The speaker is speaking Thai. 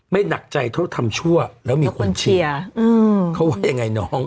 หนักใจเท่าทำชั่วแล้วมีคนเชียร์เขาว่ายังไงน้อง